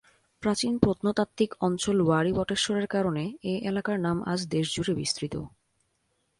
প্রাচীন প্রত্নতাত্ত্বিক অঞ্চল উয়ারী বটেশ্বরের কারণে এ এলাকার নাম আজ দেশজুড়ে বিস্তৃত।